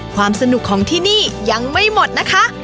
ความสนุกของที่นี่ยังไม่หมดนะคะ